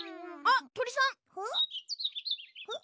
あっ！